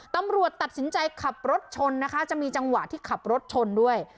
ตำรวจตัดสินใจขับรถชนนะคะจะมีจังหวะที่ขับรถชนด้วย